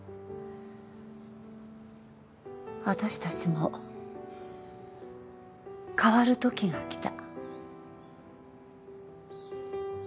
私たちも変わるときが来た。